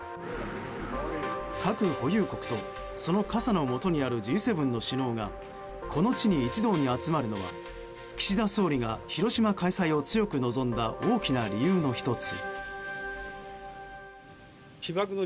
核保有国とその傘のもとにあるＧ７の首脳がこの地に一堂に集まるのは岸田総理が広島開催を強く望んだ大きな理由の１つ。